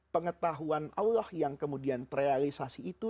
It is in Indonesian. pengetahuan allah yang kemudian terrealisasi itu